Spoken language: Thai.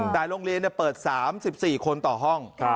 แต่โรงเรียนเปิด๓๔คนต่อห้อง